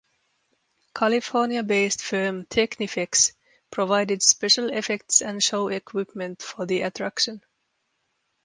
California-based firm Technifex provided special effects and show equipment for the attraction.